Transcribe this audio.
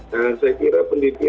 dan saya kira pendidik